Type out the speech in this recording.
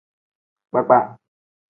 Kpakpa.